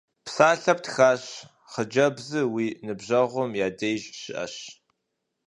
Псалъэ птащ, хъыджэбзыр уи ныбжьэгъум я деж щыӀэщ.